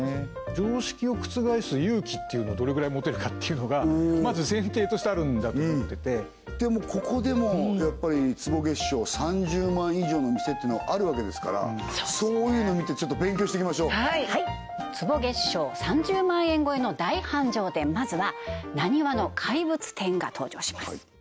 常識を覆す勇気っていうのをどれぐらい持てるかっていうのがまず前提としてあるんだと思っててでもここでもやっぱり坪月商３０万以上の店っていうのはあるわけですからそういうのを見てちょっと勉強していきましょう坪月商３０万円超えの大繁盛店まずはナニワの怪物店が登場します